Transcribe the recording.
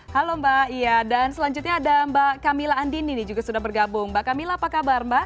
halo mbak iya dan selanjutnya ada mbak camilla andini juga sudah bergabung mbak camilla apa kabar mbak